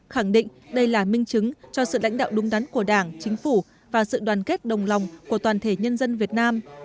khẳng định đây là minh chứng cho sự lãnh đạo đúng đắn của đảng chính phủ và sự đoàn kết đồng lòng của toàn thể nhân dân việt nam